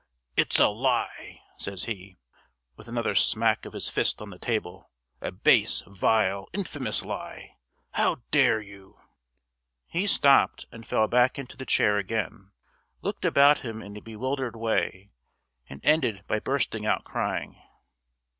"It's a lie!" says he, with another smack of his fist on the table "a base, vile, infamous lie! How dare you " He stopped, and fell back into the chair again, looked about him in a bewildered way, and ended by bursting out crying.